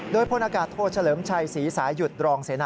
โดยพลอากาศโทเฉลิมชัยศรีสายหยุดรองเสนา